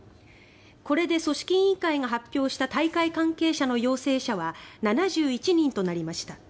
これで組織委員会が発表した大会関係者の陽性者は７１人となりました。